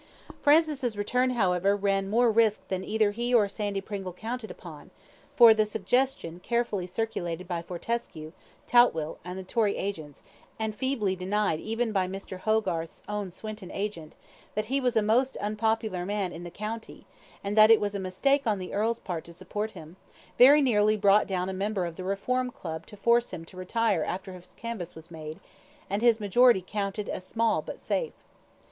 Francis' return, however, ran more risk than either he or Sandy Pringle counted upon, for the suggestion carefully circulated by Fortescue, Toutwell, and the Tory agents, and feebly denied even by Mr. Hogarth's own Swinton agent, that he was a most unpopular man in the county, and that it was a mistake on the earl's part to support him, very nearly brought down a member of the Reform Club to force him to retire after his canvass was made, and his majority counted as small but safe.